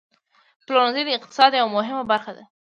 پلورنځی د اقتصاد یوه مهمه برخه ده.